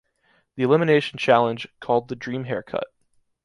The elimination challenge, called “The Dream Haircut”.